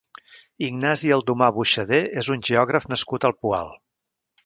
Ignasi Aldomà Buixadé és un geògraf nascut al Poal.